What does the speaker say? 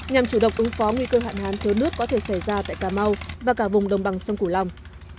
nhằm chủ động ứng phó nguy cơ hạn hán thớ nước có thể xảy ra tại cà mau và cả vùng đồng bằng sông cửu long